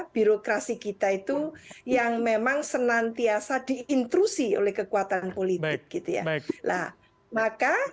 birokrasi kita itu yang memang senantiasa diintrusi oleh kekuatan politik